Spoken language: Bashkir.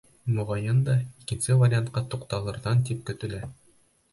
Моғайын да, икенсе вариантҡа туҡталырҙар тип көтөлә.